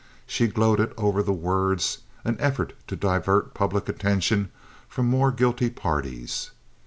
She gloated over the words "an effort to divert public attention from more guilty parties."